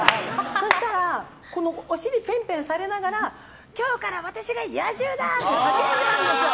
そうしたらお尻ペンペンされながら今日から私が野獣だ！って叫んだんですよ。